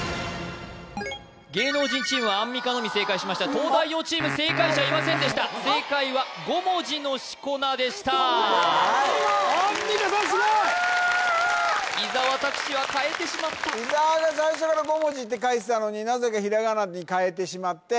芸能人チームはアンミカのみ正解しました東大王チーム正解者いませんでした正解は五文字の四股名でしたアンミカさんすごい！伊沢拓司は変えてしまった伊沢が最初五文字って書いてたのになぜかひらがなに変えてしまってアンミカはどっちか悩んでて五文字にしたというね